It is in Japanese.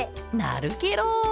なるケロ！